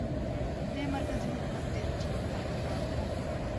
د مرکزي حکومت ډېر ټینګ طرفدار وو.